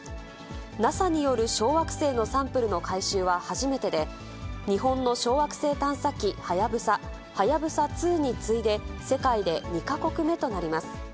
ＮＡＳＡによる小惑星のサンプルの回収は初めてで、日本の小惑星探査機はやぶさ、はやぶさ２に次いで、世界で２か国目となります。